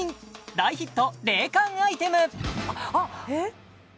大ヒット冷感アイテムえっ？